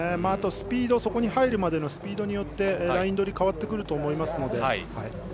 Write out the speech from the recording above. そこに入るまでのスピードによってライン取りが変わってくると思いますので。